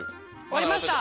終わりました。